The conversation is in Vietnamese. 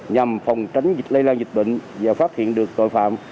nhằm phòng tránh lây lan dịch bệnh và phát hiện được cội phạm